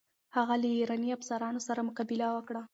هغه له ایراني افسرانو سره مقابله وکړه.